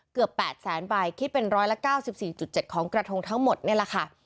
เกือบแปดแสนใบคิดเป็นร้อยละเก้าสิบสี่จุดเจ็ดของกระทงทั้งหมดนี่แหละค่ะ